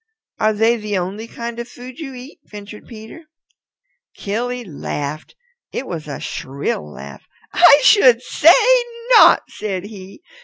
"Are they the only kind of food you eat?" ventured Peter. Killy laughed. It was a shrill laugh. "I should say not," said he.